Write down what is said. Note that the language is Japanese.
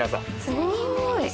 すごーい！